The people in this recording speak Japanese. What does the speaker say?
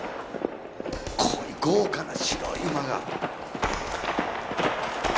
こういう豪華な白い馬が。